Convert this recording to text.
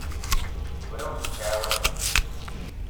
Ur awent-d-ttɛawadeɣ.